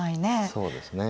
そうですね。